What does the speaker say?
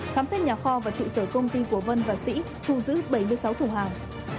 khám xét nhà kho và trụ sở công ty của vân và sĩ thu giữ bảy mươi sáu thùng hàng